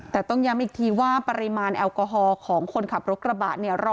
แต่ต้องย้ำอีกทีว่าปริมาณแอลกอฮอล์ของคนขับรถกระบะเนี่ย